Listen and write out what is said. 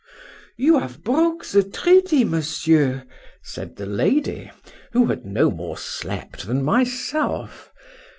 —You have broke the treaty, Monsieur, said the lady, who had no more slept than myself.